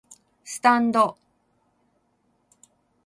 スタンド